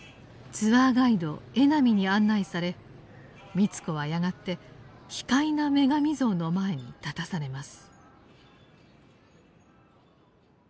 ツアーガイド江波に案内され美津子はやがて奇怪な女神像の前に立たされます。